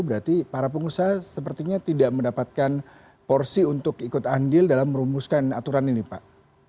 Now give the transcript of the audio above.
berarti para pengusaha sepertinya tidak mendapatkan porsi untuk ikut andil dalam merumuskan aturan ini pak